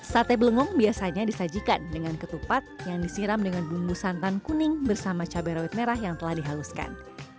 sate blengong biasanya disajikan dengan ketupat yang disiram dengan bumbu santan kuning bersama cabai rawit merah yang telah dihaluskan